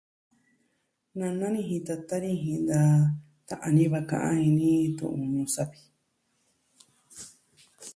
Nana ni jin, tata ni jin naa ta'an ni va ka'an ni tu'un ñuu savi.